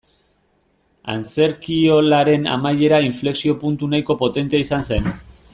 Antzerkiolaren amaiera inflexio-puntu nahiko potentea izan zen.